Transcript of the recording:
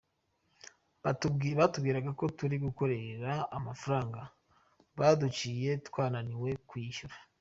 Batubwiraga ko turi gukorera amafaranga baduciye, twananiwe kuyishyura.